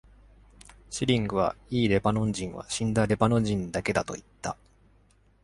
シリングは、良いレバノン人は、死んだレバノン人だけだと言った。